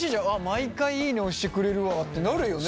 毎回いいね押してくれるわってなるよね？